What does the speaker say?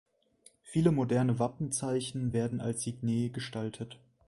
Viele moderne Wappenzeichen werden als Signet gestaltet.